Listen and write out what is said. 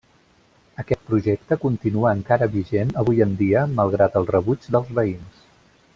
Aquest projecte continua encara vigent avui en dia malgrat el rebuig dels veïns.